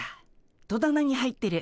戸棚に入ってる。